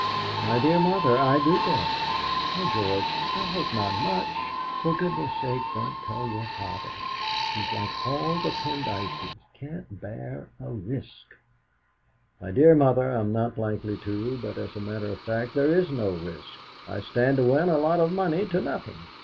"My dear mother, I do bet." "Oh, George, I hope not much! For goodness' sake, don't tell your father; he's like all the Pendyces, can't bear a risk." "My dear mother, I'm not likely to; but, as a matter of fact, there is no risk. I stand to win a lot of money to nothing."